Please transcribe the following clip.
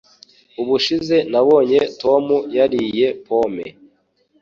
Ubushize nabonye Tom yariye pome.